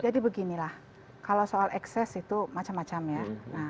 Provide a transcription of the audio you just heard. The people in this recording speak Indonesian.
jadi beginilah kalau soal ekses itu macam macam ya